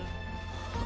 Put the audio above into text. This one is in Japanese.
あ。